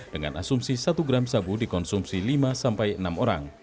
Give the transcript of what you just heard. dengan asumsi satu gram sabu dikonsumsi lima sampai enam orang